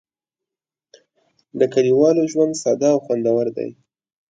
د کلیوالو ژوند ساده او خوندور دی.